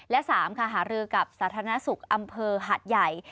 และ๓ค่ะหารือกับสาธารณสุขอำเภอหัดใหญ่